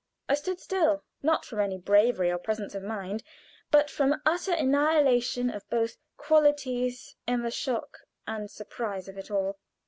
I stood still, not from any bravery or presence of mind, but from utter annihilation of both qualities in the shock and surprise of it all.